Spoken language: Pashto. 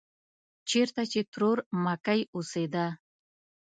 چېرته چې ترور مکۍ اوسېده.